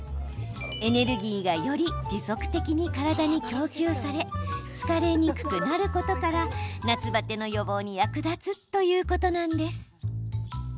エネルギーがより持続的に体に供給され疲れにくくなることから夏バテの予防に役立つということなんです。